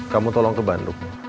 kamu tolong ke bandung